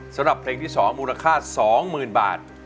สำหรับเพลงที่๒มูลค่าสองหมื่นบาท